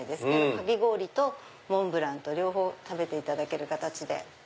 かき氷とモンブランと両方食べていただける形で。